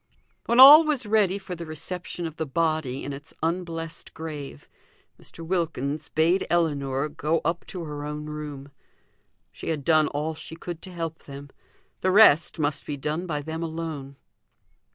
When all was ready for the reception of the body in its unblessed grave, Mr. Wilkins bade Ellinor go up to her own room she had done all she could to help them; the rest must be done by them alone.